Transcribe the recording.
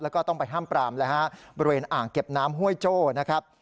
แล้วก็ต้องไปห้ามปรามเลยฮะบริเวณอ่างเก็บน้ำห้วยโจ้นะครับ